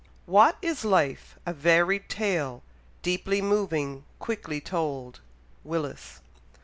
What is life? a varied tale, Deeply moving, quickly told. Willis.